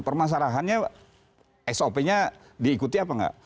permasalahannya sop nya diikuti apa enggak